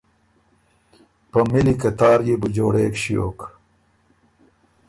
په مِلی قطار يې بو جوړېک ݭیوک